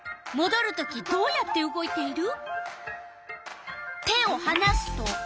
レバーはどうやって動いている？